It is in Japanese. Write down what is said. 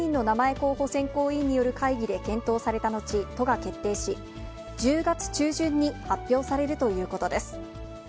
候補選考委員による会議で検討された後、都が決定し、１０月中旬に発表されるということです。